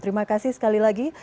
terima kasih sekali lagi